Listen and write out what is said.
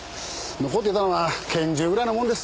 残っていたのは拳銃ぐらいのもんです。